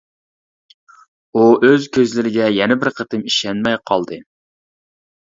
ئۇ ئۆز كۆزلىرىگە يەنە بىر قېتىم ئىشەنمەي قالدى.